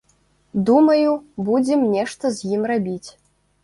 Думаю, будзем нешта з ім рабіць.